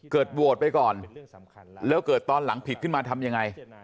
โหวตไปก่อนแล้วเกิดตอนหลังผิดขึ้นมาทำยังไง